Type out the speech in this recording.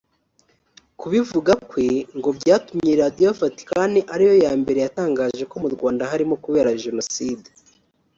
Kubivuga kwe ngo byatumye Radio Vatican ari yo ya mbere yatangaje ko mu Rwanda harimo kubera Jenoside